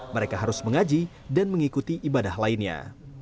mereka harus mengaji dan mengikuti ibadah lainnya